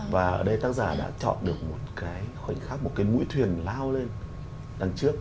và ở đây tác giả đã chọn được một cái khoảnh khắc một cái mũi thuyền lao lên đằng trước